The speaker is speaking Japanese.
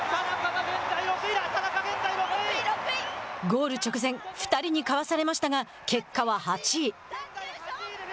ゴール直前、２人にかわされましたが、結果は８位。